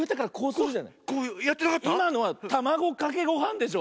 いまのはたまごかけごはんでしょ。